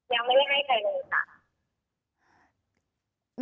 ยังไม่ได้ให้ใครเลยค่ะ